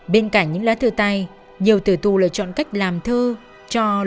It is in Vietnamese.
bên cạnh những lá thư tay nhiều tử tù lựa chọn cách làm thơ